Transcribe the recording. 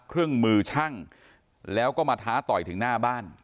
เครื่องมือช่างแล้วก็มาท้าต่อยถึงหน้าบ้าน